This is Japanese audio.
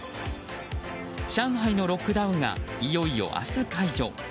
上海のロックダウンがいよいよ明日、解除。